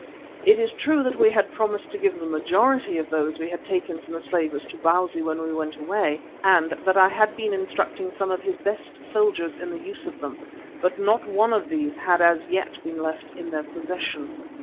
It is true that we had promised to give the majority of those we had taken from the slavers to Bausi when we went away, and that I had been instructing some of his best soldiers in the use of them, but not one of these had as yet been left in their possession.